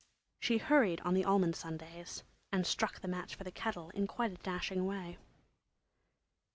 She hurried on the almond Sundays and struck the match for the kettle in quite a dashing way.